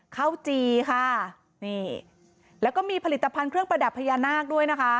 ข้าวจีค่ะนี่แล้วก็มีผลิตภัณฑ์เครื่องประดับพญานาคด้วยนะคะ